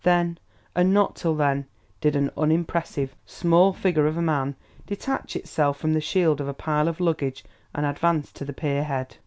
Then, and not till then, did an unimpressive, small figure of a man detach itself from the shield of a pile of luggage and advance to the pier head.